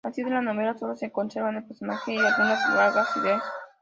Así, de la novela sólo se conservan el personaje y algunas vagas ideas.